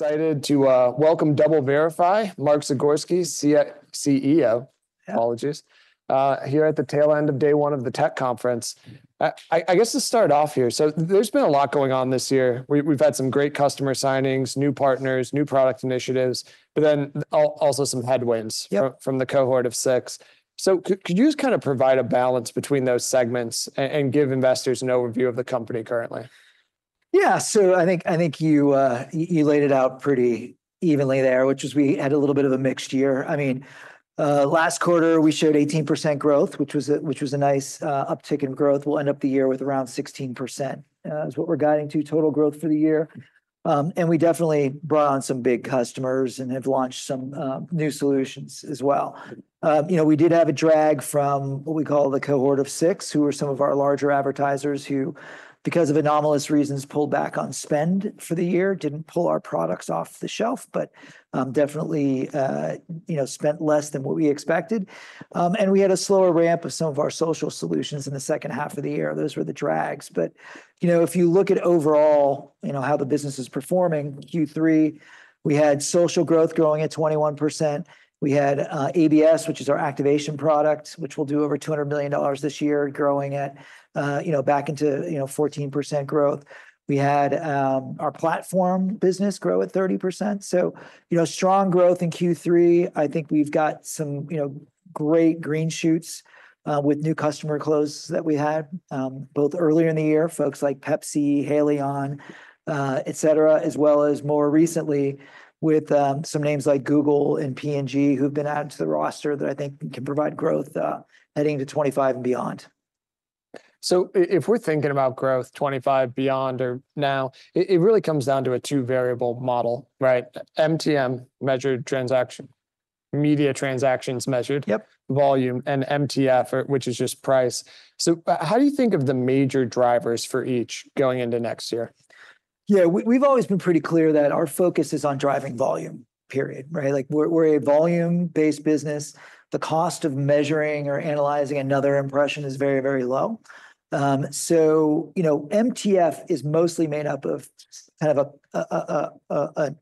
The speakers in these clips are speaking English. Excited to welcome DoubleVerify, Mark Zagorski, CEO. Apologies, here at the tail end of day one of the tech conference. I guess to start off here, so there's been a lot going on this year. We've had some great customer signings, new partners, new product initiatives, but then also some headwinds from the Cohort of six. So could you just kind of provide a balance between those segments and give investors an overview of the company currently? Yeah, so I think you laid it out pretty evenly there, which is we had a little bit of a mixed year. I mean, last quarter we showed 18% growth, which was a nice uptick in growth. We'll end up the year with around 16% is what we're guiding to total growth for the year. We definitely brought on some big customers and have launched some new solutions as well. We did have a drag from what we call the Cohort of six, who were some of our larger advertisers who, because of anomalous reasons, pulled back on spend for the year, didn't pull our products off the shelf, but definitely spent less than what we expected. We had a slower ramp of some of our social solutions in the second half of the year. Those were the drags. But if you look at overall how the business is performing, Q3, we had social growth growing at 21%. We had ABS, which is our activation product, which will do over $200 million this year, growing back into 14% growth. We had our platform business grow at 30%. So strong growth in Q3. I think we've got some great green shoots with new customer close that we had both earlier in the year, folks like Pepsi, Haleon, et cetera, as well as more recently with some names like Google and P&G who've been added to the roster that I think can provide growth heading to 2025 and beyond. So if we're thinking about growth 2025 beyond or now, it really comes down to a two-variable model, right? MTM, measured transaction, media transactions measured, volume, and MTF, which is just price. So how do you think of the major drivers for each going into next year? Yeah, we've always been pretty clear that our focus is on driving volume, period. We're a volume-based business. The cost of measuring or analyzing another impression is very, very low. So MTF is mostly made up of kind of a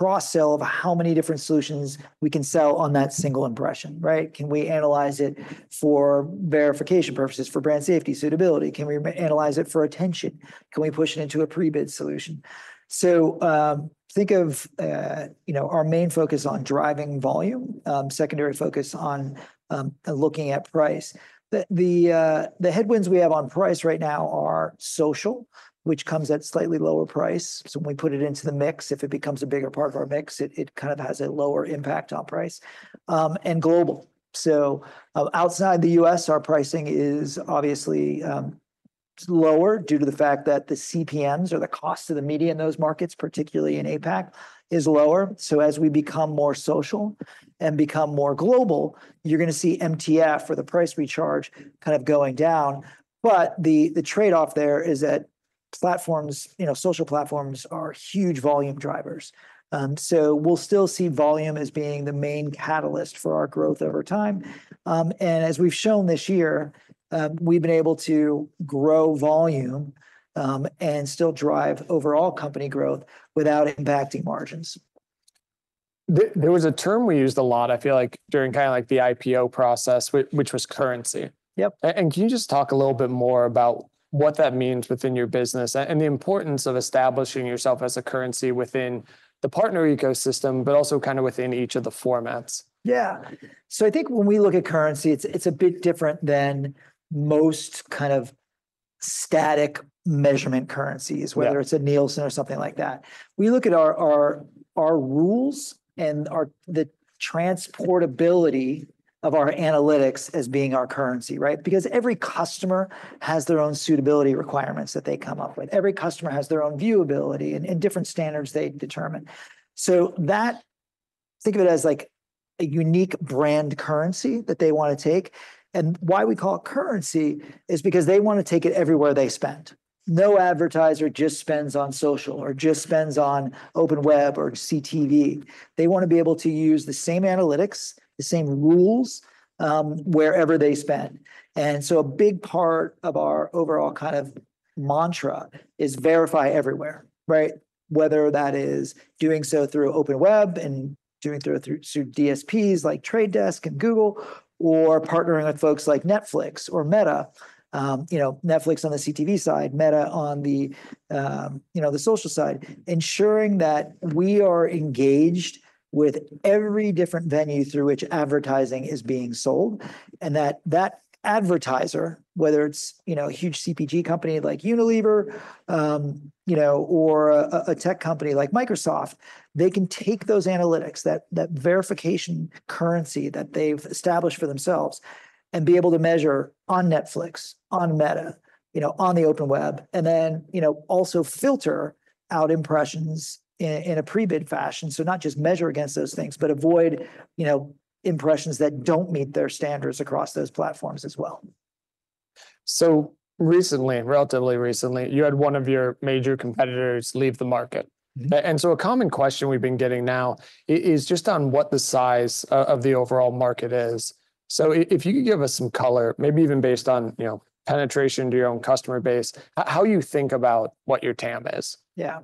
cross-sell of how many different solutions we can sell on that single impression. Can we analyze it for verification purposes for brand safety, suitability? Can we analyze it for attention? Can we push it into a pre-bid solution? So think of our main focus on driving volume, secondary focus on looking at price. The headwinds we have on price right now are social, which comes at slightly lower price. So when we put it into the mix, if it becomes a bigger part of our mix, it kind of has a lower impact on price. And global. So outside the U.S., our pricing is obviously lower due to the fact that the CPMs or the cost of the media in those markets, particularly in APAC, is lower. So as we become more social and become more global, you're going to see MTF or the price we charge kind of going down. But the trade-off there is that social platforms are huge volume drivers. So we'll still see volume as being the main catalyst for our growth over time. And as we've shown this year, we've been able to grow volume and still drive overall company growth without impacting margins. There was a term we used a lot, I feel like, during kind of like the IPO process, which was currency. Yep. Can you just talk a little bit more about what that means within your business and the importance of establishing yourself as a currency within the partner ecosystem, but also kind of within each of the formats? Yeah, so I think when we look at currency, it's a bit different than most kind of static measurement currencies, whether it's a Nielsen or something like that. We look at our rules and the transportability of our analytics as being our currency, right? Because every customer has their own suitability requirements that they come up with. Every customer has their own viewability and different standards they determine, so think of it as like a unique brand currency that they want to take, and why we call it currency is because they want to take it everywhere they spend. No advertiser just spends on social or just spends on Open Web or CTV. They want to be able to use the same analytics, the same rules wherever they spend. And so a big part of our overall kind of mantra is verify everywhere, whether that is doing so through Open Web and doing through DSPs like Trade Desk and Google or partnering with folks like Netflix or Meta. Netflix on the CTV side, Meta on the social side, ensuring that we are engaged with every different venue through which advertising is being sold. And that advertiser, whether it's a huge CPG company like Unilever or a tech company like Microsoft, they can take those analytics, that verification currency that they've established for themselves, and be able to measure on Netflix, on Meta, on the Open Web, and then also filter out impressions in a pre-bid fashion. So not just measure against those things, but avoid impressions that don't meet their standards across those platforms as well. So recently, relatively recently, you had one of your major competitors leave the market. And so a common question we've been getting now is just on what the size of the overall market is. So if you could give us some color, maybe even based on penetration to your own customer base, how you think about what your TAM is? Yeah.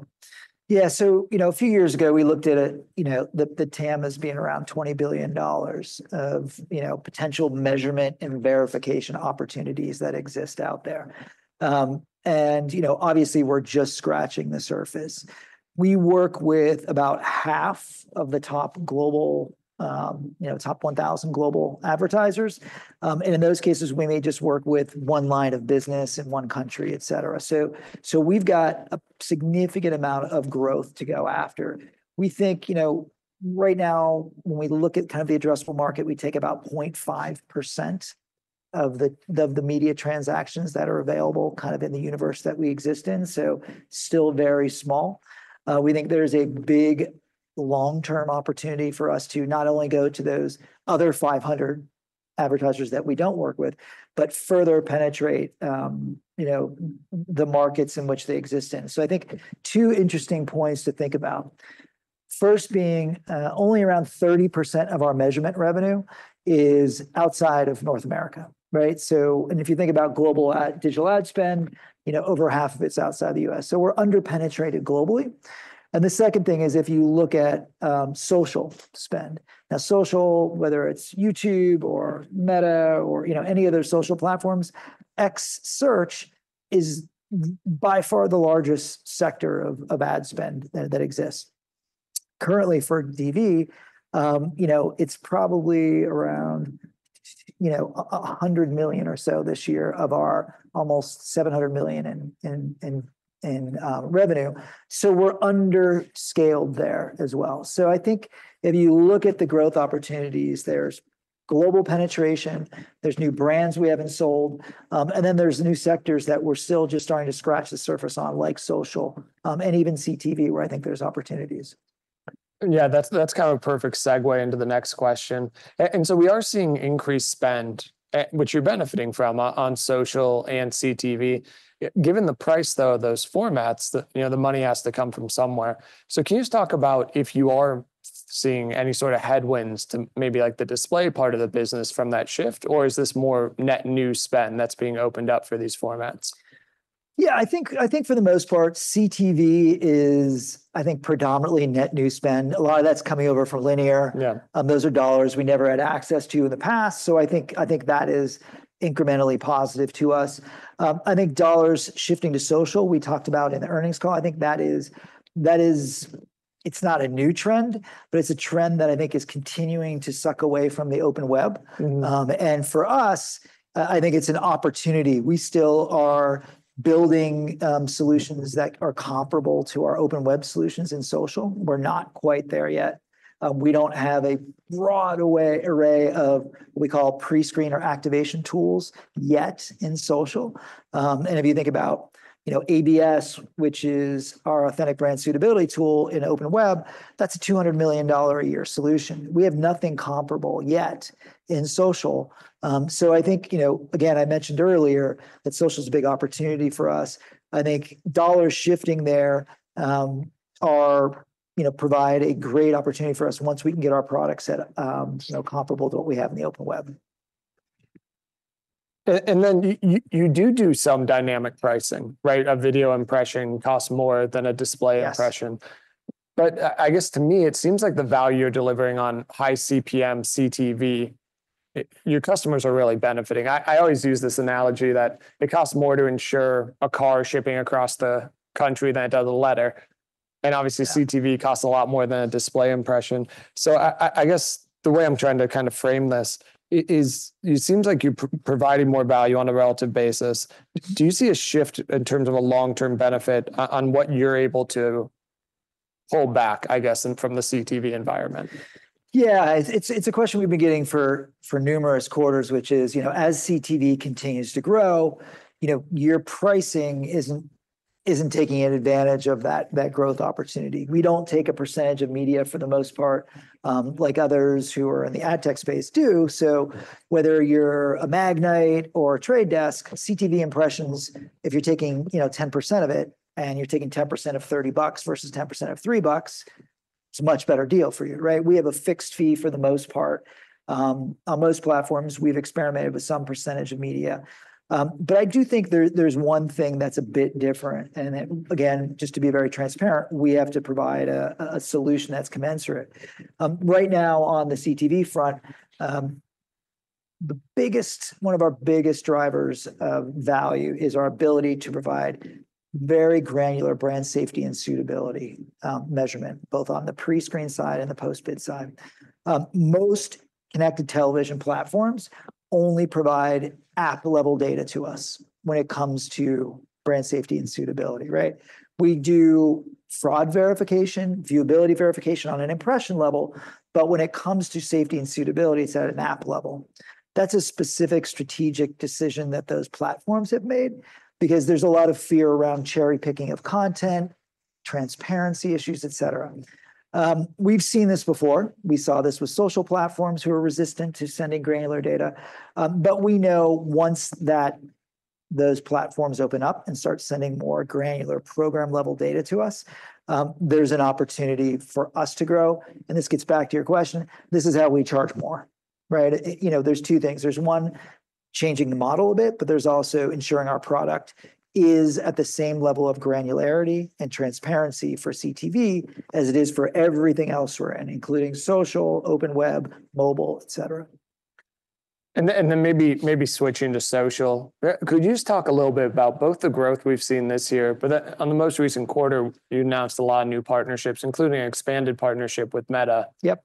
Yeah. So a few years ago, we looked at it. The TAM is being around $20 billion of potential measurement and verification opportunities that exist out there. And obviously, we're just scratching the surface. We work with about half of the top 1,000 global advertisers. And in those cases, we may just work with one line of business in one country, et cetera. So we've got a significant amount of growth to go after. We think right now, when we look at kind of the addressable market, we take about 0.5% of the media transactions that are available kind of in the universe that we exist in. So still very small. We think there's a big long-term opportunity for us to not only go to those other 500 advertisers that we don't work with, but further penetrate the markets in which they exist in. I think two interesting points to think about. First, being only around 30% of our measurement revenue is outside of North America. And if you think about global digital ad spend, over half of it's outside the U.S. So we're under-penetrated globally. And the second thing is if you look at social spend. Now, social, whether it's YouTube or Meta or any other social platforms, ex search is by far the largest sector of ad spend that exists. Currently, for DV, it's probably around $100 million or so this year of our almost $700 million in revenue. So we're underscaled there as well. So I think if you look at the growth opportunities, there's global penetration, there's new brands we haven't sold, and then there's new sectors that we're still just starting to scratch the surface on, like social and even CTV, where I think there's opportunities. Yeah, that's kind of a perfect segue into the next question. And so we are seeing increased spend, which you're benefiting from on social and CTV. Given the price, though, of those formats, the money has to come from somewhere. So can you just talk about if you are seeing any sort of headwinds to maybe the display part of the business from that shift, or is this more net new spend that's being opened up for these formats? Yeah, I think for the most part, CTV is, I think, predominantly net new spend. A lot of that's coming over from linear. Those are dollars we never had access to in the past. So I think that is incrementally positive to us. I think dollars shifting to social, we talked about in the earnings call, I think that is, it's not a new trend, but it's a trend that I think is continuing to suck away from the Open Web. And for us, I think it's an opportunity. We still are building solutions that are comparable to our Open Web solutions in social. We're not quite there yet. We don't have a broad array of what we call pre-screen or activation tools yet in social. And if you think about ABS, which is our Authentic Brand Suitability tool in Open Web, that's a $200 million a year solution. We have nothing comparable yet in social. So I think, again, I mentioned earlier that social is a big opportunity for us. I think dollars shifting there provide a great opportunity for us once we can get our products comparable to what we have in the Open Web. Then you do some dynamic pricing, right? A video impression costs more than a display impression. But I guess to me, it seems like the value you're delivering on high CPM, CTV, your customers are really benefiting. I always use this analogy that it costs more to insure a car shipping across the country than it does a letter. And obviously, CTV costs a lot more than a display impression. So I guess the way I'm trying to kind of frame this is it seems like you're providing more value on a relative basis. Do you see a shift in terms of a long-term benefit on what you're able to pull back, I guess, from the CTV environment? Yeah, it's a question we've been getting for numerous quarters, which is as CTV continues to grow, your pricing isn't taking advantage of that growth opportunity. We don't take a percentage of media for the most part, like others who are in the ad tech space do. So whether you're a Magnite or a The Trade Desk, CTV impressions, if you're taking 10% of it and you're taking 10% of $30 versus 10% of $3, it's a much better deal for you, right? We have a fixed fee for the most part. On most platforms, we've experimented with some percentage of media. But I do think there's one thing that's a bit different. And again, just to be very transparent, we have to provide a solution that's commensurate. Right now, on the CTV front, one of our biggest drivers of value is our ability to provide very granular brand safety and suitability measurement, both on the pre-screen side and the post-bid side. Most connected television platforms only provide app-level data to us when it comes to brand safety and suitability, right? We do fraud verification, viewability verification on an impression level, but when it comes to safety and suitability, it's at an app level. That's a specific strategic decision that those platforms have made because there's a lot of fear around cherry-picking of content, transparency issues, et cetera. We've seen this before. We saw this with social platforms who are resistant to sending granular data. But we know once that those platforms open up and start sending more granular program-level data to us, there's an opportunity for us to grow. And this gets back to your question. This is how we charge more, right? There's two things. There's one changing the model a bit, but there's also ensuring our product is at the same level of granularity and transparency for CTV as it is for everything elsewhere, including social, Open Web, mobile, et cetera. Maybe switching to social, could you just talk a little bit about both the growth we've seen this year? On the most recent quarter, you announced a lot of new partnerships, including an expanded partnership with Meta. Yep.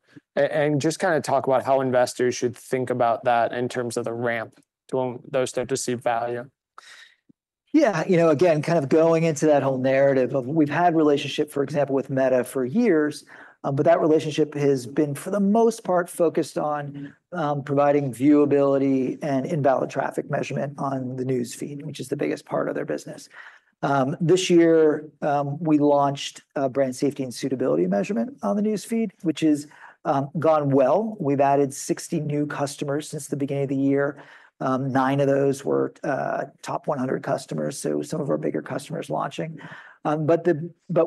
Just kind of talk about how investors should think about that in terms of the ramp to when those start to see value. Yeah. Again, kind of going into that whole narrative of we've had a relationship, for example, with Meta for years, but that relationship has been, for the most part, focused on providing viewability and invalid traffic measurement on the news feed, which is the biggest part of their business. This year, we launched a brand safety and suitability measurement on the news feed, which has gone well. We've added 60 new customers since the beginning of the year. Nine of those were top 100 customers, so some of our bigger customers launching. But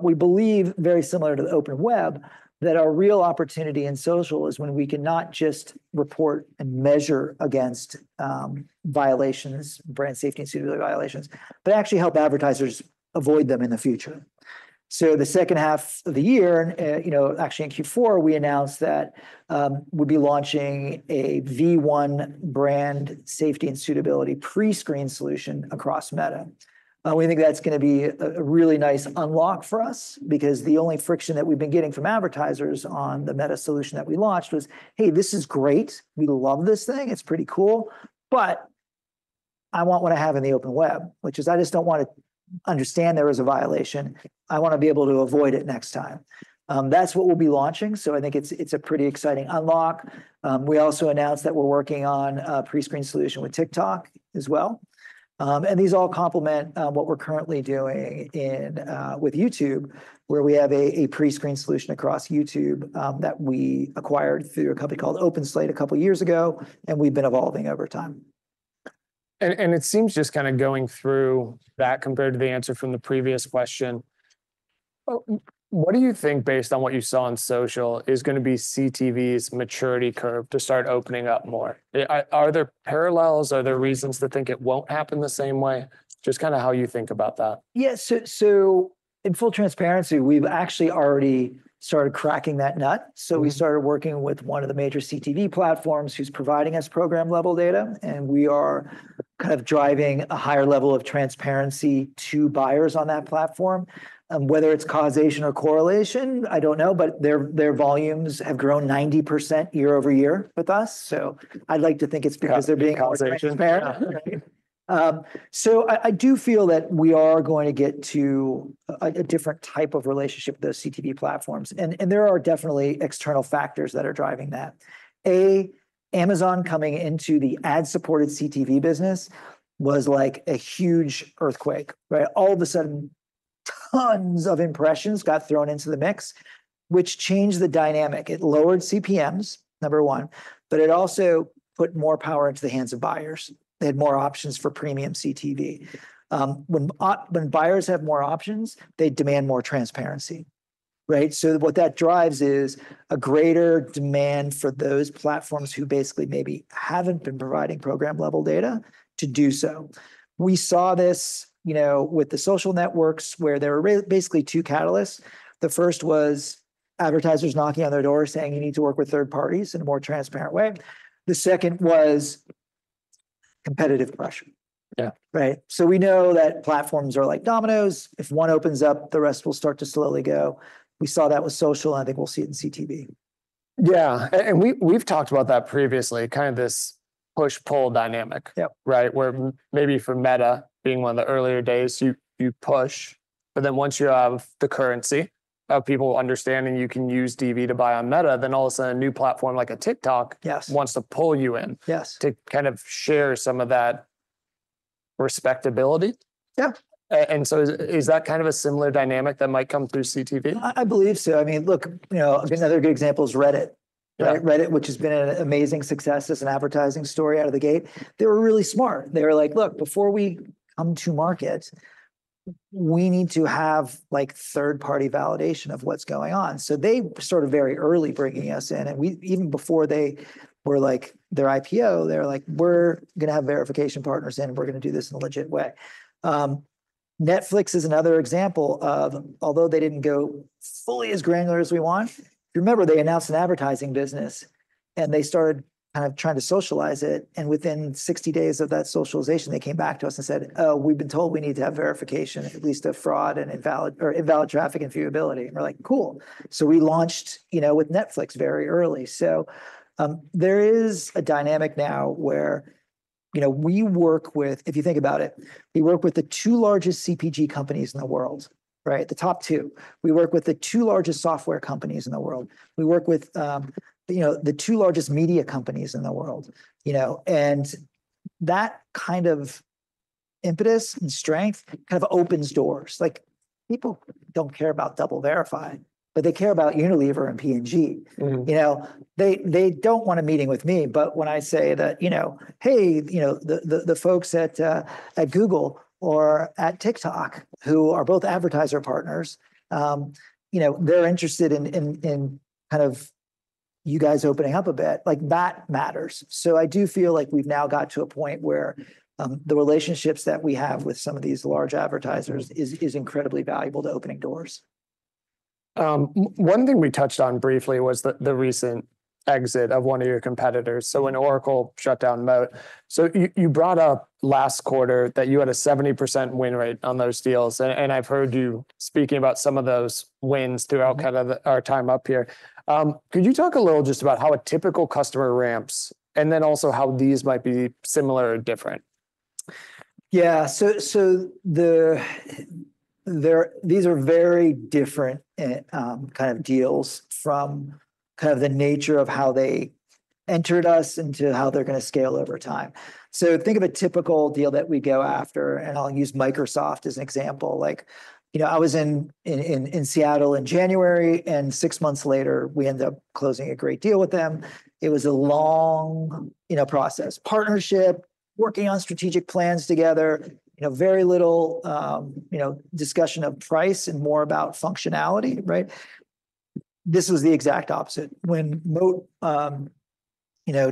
we believe, very similar to the Open Web, that our real opportunity in social is when we can not just report and measure against brand safety and suitability violations, but actually help advertisers avoid them in the future. So the second half of the year, actually in Q4, we announced that we'd be launching a V1 brand safety and suitability pre-screen solution across Meta. We think that's going to be a really nice unlock for us because the only friction that we've been getting from advertisers on the Meta solution that we launched was, "Hey, this is great. We love this thing. It's pretty cool. But I want what I have in the Open Web, which is I just don't want to understand there is a violation. I want to be able to avoid it next time." That's what we'll be launching. So I think it's a pretty exciting unlock. We also announced that we're working on a pre-screen solution with TikTok as well. These all complement what we're currently doing with YouTube, where we have a pre-screen solution across YouTube that we acquired through a company called OpenSlate a couple of years ago, and we've been evolving over time. And it seems just kind of going through that compared to the answer from the previous question, what do you think, based on what you saw on social, is going to be CTV's maturity curve to start opening up more? Are there parallels? Are there reasons to think it won't happen the same way? Just kind of how you think about that. Yeah. So in full transparency, we've actually already started cracking that nut. So we started working with one of the major CTV platforms who's providing us program-level data, and we are kind of driving a higher level of transparency to buyers on that platform. Whether it's causation or correlation, I don't know, but their volumes have grown 90% year over year with us. So I'd like to think it's because they're being more transparent. So I do feel that we are going to get to a different type of relationship with those CTV platforms, and there are definitely external factors that are driving that. A, Amazon coming into the ad-supported CTV business was like a huge earthquake, right? All of a sudden, tons of impressions got thrown into the mix, which changed the dynamic. It lowered CPMs, number one, but it also put more power into the hands of buyers. They had more options for premium CTV. When buyers have more options, they demand more transparency, right? So what that drives is a greater demand for those platforms who basically maybe haven't been providing program-level data to do so. We saw this with the social networks where there were basically two catalysts. The first was advertisers knocking on their doors saying, "You need to work with third parties in a more transparent way." The second was competitive pressure, right? So we know that platforms are like dominoes. If one opens up, the rest will start to slowly go. We saw that with social, and I think we'll see it in CTV. Yeah. And we've talked about that previously, kind of this push-pull dynamic, right? Where maybe for Meta, being one of the earlier days, you push, but then once you have the currency of people understanding you can use DV to buy on Meta, then all of a sudden, a new platform like TikTok wants to pull you in to kind of share some of that respectability. Yeah. Is that kind of a similar dynamic that might come through CTV? I believe so. I mean, look, another good example is Reddit, which has been an amazing success as an advertising story out of the gate. They were really smart. They were like, "Look, before we come to market, we need to have third-party validation of what's going on." So they were sort of very early bringing us in. And even before they were like their IPO, they were like, "We're going to have verification partners in, and we're going to do this in a legit way." Netflix is another example of, although they didn't go fully as granular as we want. Remember, they announced an advertising business, and they started kind of trying to socialize it. Within 60 days of that socialization, they came back to us and said, "Oh, we've been told we need to have verification, at least of fraud and invalid traffic and viewability." We're like, "Cool." We launched with Netflix very early. There is a dynamic now where we work with, if you think about it, we work with the two largest CPG companies in the world, right? The top two. We work with the two largest software companies in the world. We work with the two largest media companies in the world. That kind of impetus and strength kind of opens doors. People don't care about DoubleVerify, but they care about Unilever and P&G. They don't want a meeting with me, but when I say that, "Hey, the folks at Google or at TikTok who are both advertiser partners, they're interested in kind of you guys opening up a bit," that matters. So I do feel like we've now got to a point where the relationships that we have with some of these large advertisers is incredibly valuable to opening doors. One thing we touched on briefly was the recent exit of one of your competitors, so when Oracle shut down Moat, so you brought up last quarter that you had a 70% win rate on those deals, and I've heard you speaking about some of those wins throughout kind of our time up here. Could you talk a little just about how a typical customer ramps and then also how these might be similar or different? Yeah. So these are very different kind of deals from kind of the nature of how they entered us into how they're going to scale over time. So think of a typical deal that we go after, and I'll use Microsoft as an example. I was in Seattle in January, and six months later, we ended up closing a great deal with them. It was a long process, partnership, working on strategic plans together, very little discussion of price and more about functionality, right? This was the exact opposite. When Moat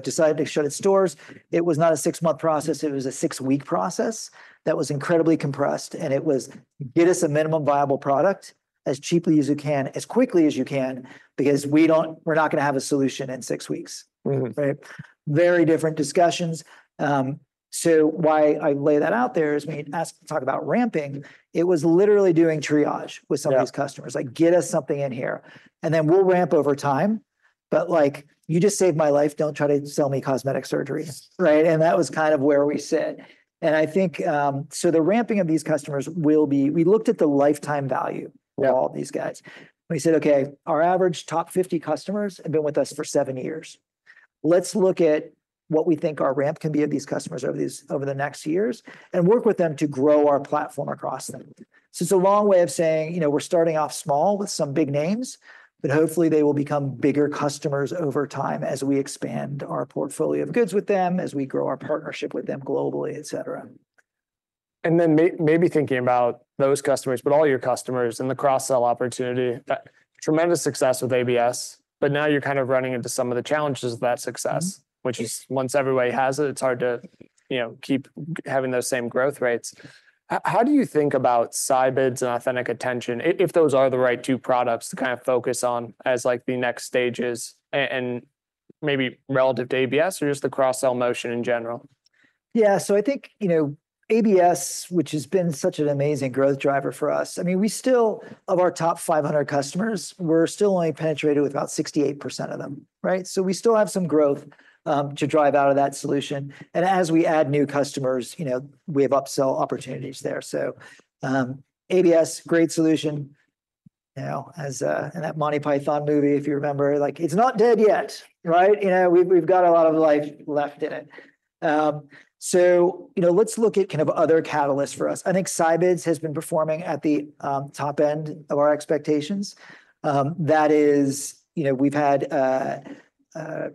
decided to shut its doors, it was not a six-month process. It was a six-week process that was incredibly compressed. And it was, "Get us a minimum viable product as cheaply as you can, as quickly as you can, because we're not going to have a solution in six weeks," right? Very different discussions. So why I lay that out there is when you talk about ramping, it was literally doing triage with some of these customers. Like, "Get us something in here, and then we'll ramp over time. But you just saved my life. Don't try to sell me cosmetic surgery," right? And that was kind of where we sit. And I think so the ramping of these customers will be we looked at the lifetime value of all these guys. We said, "Okay, our average top 50 customers have been with us for seven years. Let's look at what we think our ramp can be of these customers over the next years and work with them to grow our platform across them. So it's a long way of saying, "We're starting off small with some big names, but hopefully, they will become bigger customers over time as we expand our portfolio of goods with them, as we grow our partnership with them globally," et cetera. Then maybe thinking about those customers, but all your customers and the cross-sell opportunity, tremendous success with ABS, but now you're kind of running into some of the challenges of that success, which is once everybody has it, it's hard to keep having those same growth rates. How do you think about Scibids and Authentic Attention, if those are the right two products to kind of focus on as the next stages and maybe relative to ABS or just the cross-sell motion in general? Yeah. So I think ABS, which has been such an amazing growth driver for us, I mean, we still, of our top 500 customers, we're still only penetrated with about 68% of them, right? So we still have some growth to drive out of that solution, and as we add new customers, we have upsell opportunities there. So ABS, great solution, and that Monty Python movie, if you remember, it's not dead yet, right? We've got a lot of life left in it. So let's look at kind of other catalysts for us. I think Scibids has been performing at the top end of our expectations. That is, we've had a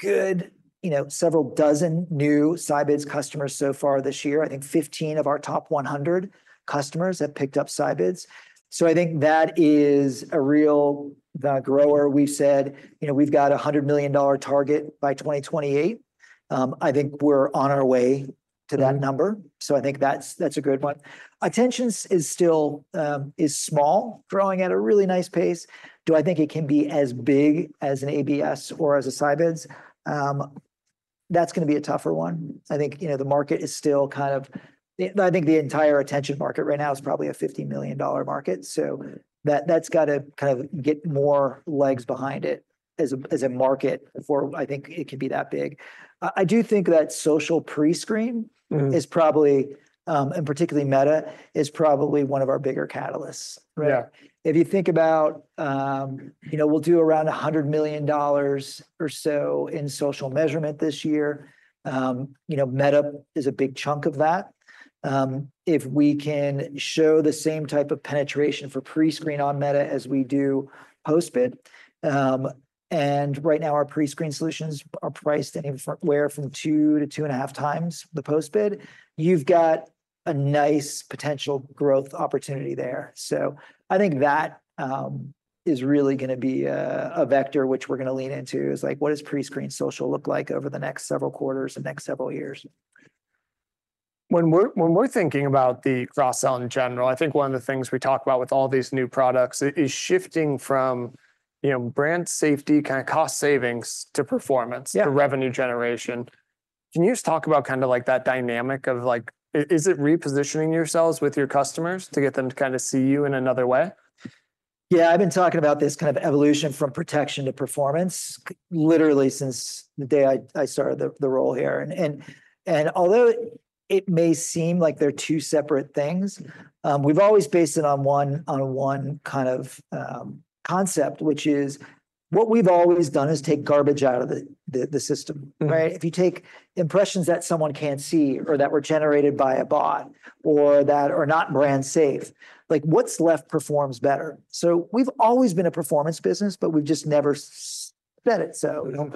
good several dozen new Scibids customers so far this year. I think 15 of our top 100 customers have picked up Scibids. So I think that is a real grower. We've said we've got a $100 million target by 2028. I think we're on our way to that number. So I think that's a good one. Attention is still small, growing at a really nice pace. Do I think it can be as big as an ABS or as a Scibids? That's going to be a tougher one. I think the market is still kind of I think the entire attention market right now is probably a $50 million market. So that's got to kind of get more legs behind it as a market for I think it can be that big. I do think that social pre-screen is probably, and particularly Meta, is probably one of our bigger catalysts, right? If you think about, we'll do around $100 million or so in social measurement this year. Meta is a big chunk of that. If we can show the same type of penetration for pre-screen on Meta as we do post-bid. And right now, our pre-screen solutions are priced anywhere from two to two and a half times the post-bid. You've got a nice potential growth opportunity there. So I think that is really going to be a vector which we're going to lean into is like, what does pre-screen social look like over the next several quarters and next several years? When we're thinking about the cross-sell in general, I think one of the things we talk about with all these new products is shifting from brand safety, kind of cost savings to performance, to revenue generation. Can you just talk about kind of that dynamic of is it repositioning yourselves with your customers to get them to kind of see you in another way? Yeah. I've been talking about this kind of evolution from protection to performance literally since the day I started the role here. And although it may seem like they're two separate things, we've always based it on one kind of concept, which is what we've always done is take garbage out of the system, right? If you take impressions that someone can't see or that were generated by a bot or that are not brand safe, what's left performs better. So we've always been a performance business, but we've just never said it so.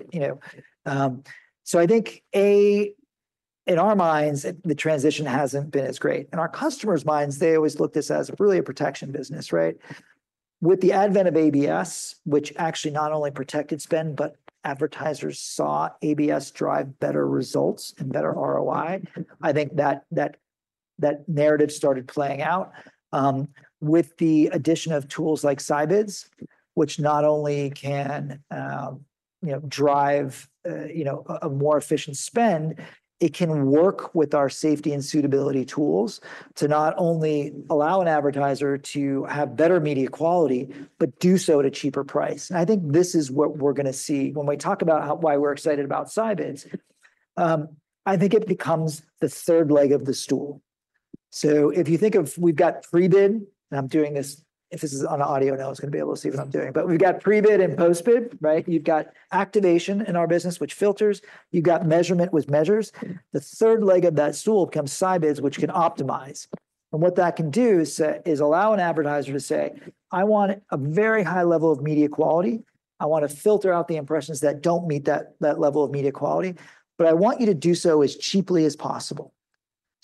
So I think, A, in our minds, the transition hasn't been as great. In our customers' minds, they always looked at this as really a protection business, right? With the advent of ABS, which actually not only protected spend, but advertisers saw ABS drive better results and better ROI, I think that narrative started playing out. With the addition of tools like Scibids, which not only can drive a more efficient spend, but it can work with our safety and suitability tools to not only allow an advertiser to have better media quality, but do so at a cheaper price, and I think this is what we're going to see when we talk about why we're excited about Scibids. I think it becomes the third leg of the stool. If you think of we've got pre-bid, and I'm doing this if this is on audio, no one's going to be able to see what I'm doing, but we've got pre-bid and post-bid, right? You've got activation in our business, which filters. You've got measurement with measures. The third leg of that stool becomes Scibids, which can optimize. What that can do is allow an advertiser to say, "I want a very high level of media quality. I want to filter out the impressions that don't meet that level of media quality. But I want you to do so as cheaply as possible."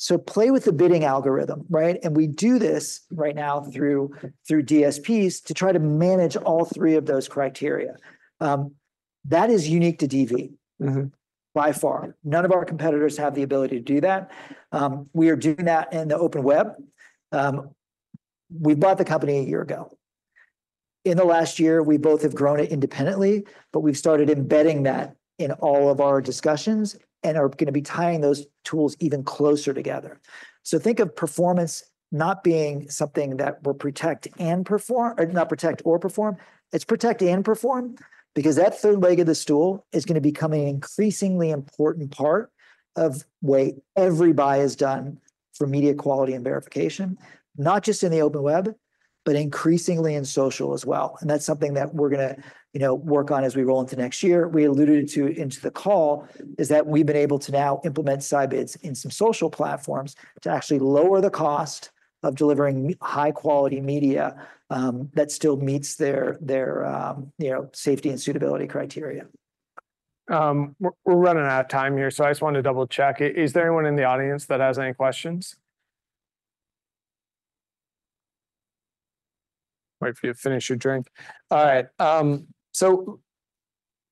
So play with the bidding algorithm, right? We do this right now through DSPs to try to manage all three of those criteria. That is unique to DV by far. None of our competitors have the ability to do that. We are doing that in the open web. We bought the company a year ago. In the last year, we both have grown it independently, but we've started embedding that in all of our discussions and are going to be tying those tools even closer together. Think of performance not being something that we're protect and perform or not protect or perform. It's protect and perform because that third leg of the stool is going to become an increasingly important part of the way every buy is done for media quality and verification, not just in the open web, but increasingly in social as well, and that's something that we're going to work on as we roll into next year. We alluded to it in the call is that we've been able to now implement Scibids in some social platforms to actually lower the cost of delivering high-quality media that still meets their safety and suitability criteria. We're running out of time here, so I just wanted to double-check. Is there anyone in the audience that has any questions? If you finish your drink. All right. So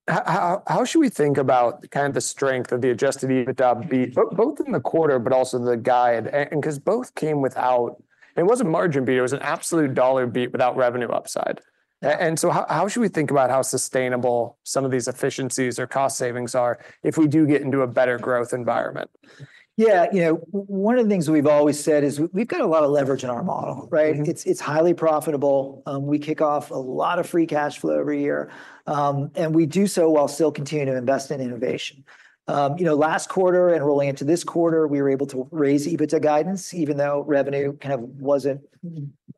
how should we think about kind of the strength of the Adjusted EBITDA beat, both in the quarter, but also the guide? And because both came without it wasn't margin beat. It was an absolute dollar beat without revenue upside. And so how should we think about how sustainable some of these efficiencies or cost savings are if we do get into a better growth environment? Yeah. One of the things we've always said is we've got a lot of leverage in our model, right? It's highly profitable. We kick off a lot of free cash flow every year, and we do so while still continuing to invest in innovation. Last quarter and rolling into this quarter, we were able to raise EBITDA guidance, even though revenue kind of wasn't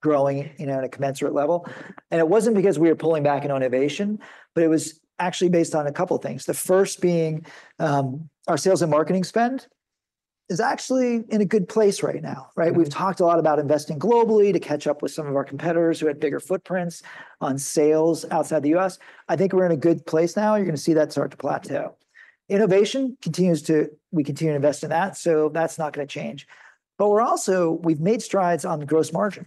growing at a commensurate level, and it wasn't because we were pulling back in innovation, but it was actually based on a couple of things. The first being our sales and marketing spend is actually in a good place right now, right? We've talked a lot about investing globally to catch up with some of our competitors who had bigger footprints on sales outside the U.S. I think we're in a good place now. You're going to see that start to plateau. Innovation continues. We continue to invest in that, so that's not going to change. But we've also made strides on the gross margin,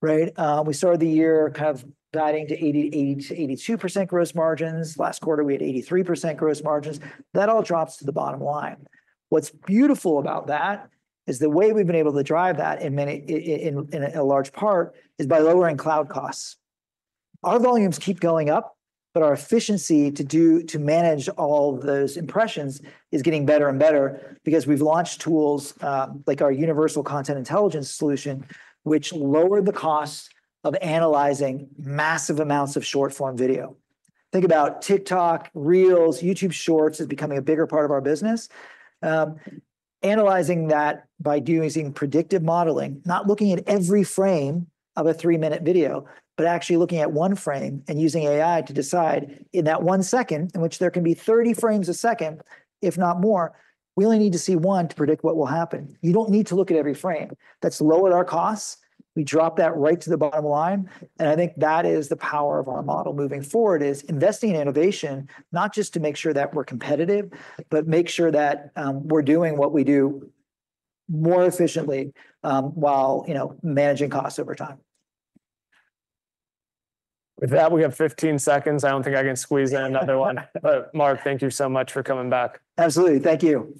right? We started the year kind of guiding to 80%-82% gross margins. Last quarter, we had 83% gross margins. That all drops to the bottom line. What's beautiful about that is the way we've been able to drive that. In a large part is by lowering cloud costs. Our volumes keep going up, but our efficiency to manage all those impressions is getting better and better because we've launched tools like our Universal Content Intelligence solution, which lowered the cost of analyzing massive amounts of short-form video. Think about TikTok, Reels, YouTube Shorts as becoming a bigger part of our business. Analyzing that by using predictive modeling, not looking at every frame of a three-minute video, but actually looking at one frame and using AI to decide in that one second in which there can be 30 frames a second, if not more, we only need to see one to predict what will happen. You don't need to look at every frame. That's lowered our costs. We dropped that right to the bottom line. And I think that is the power of our model moving forward is investing in innovation, not just to make sure that we're competitive, but make sure that we're doing what we do more efficiently while managing costs over time. With that, we have 15 seconds. I don't think I can squeeze in another one. But Mark, thank you so much for coming back. Absolutely. Thank you.